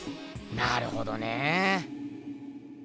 なるほどねえ。